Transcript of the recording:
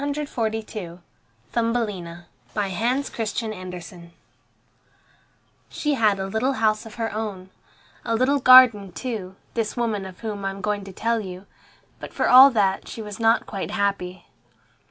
THUMBELINA BY HANS CHRISTIAN ANDERSEN She had a little house of her own, a little garden too, this woman of whom I am going to tell you, but for all that she was not quite happy.